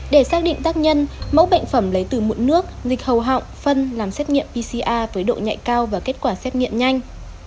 để xác định tác nhân mẫu bệnh phẩm lấy từ mụn nước nghịch hầu họng phân làm xét nghiệm pcr với độ nhạy cao và kết quả xét nghiệm nhanh